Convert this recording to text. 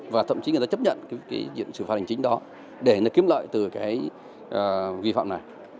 và thậm chí người ta chấp nhận sự phạt hành chính đó để kiếm lợi từ cái vi phạm này